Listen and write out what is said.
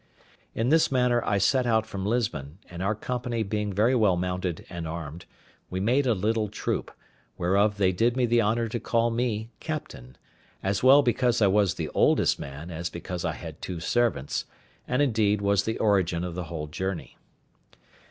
In this manner I set out from Lisbon; and our company being very well mounted and armed, we made a little troop, whereof they did me the honour to call me captain, as well because I was the oldest man, as because I had two servants, and, indeed, was the origin of the whole journey.